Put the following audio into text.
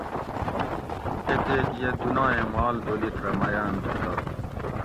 کتیک یہ دنائیں مال دولِت رہ میاۤن تھو تہ